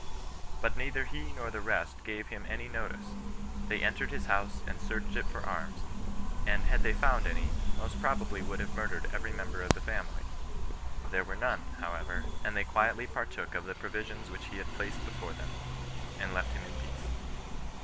But neither he nor the rest ga?e him any notice — they entered his house and Muched it for arms, and had they found any, most prdfl^ly would have mur? dered every member of the family. There were none, however, and they quietly partook of the provisions which he placed before them, and left him in peace.